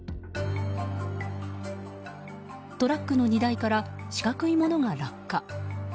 トラックの荷台から四角いものが落下。